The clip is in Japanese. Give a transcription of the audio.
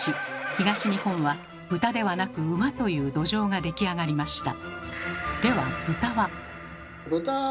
「東日本は豚ではなく馬」という土壌が出来上がりました。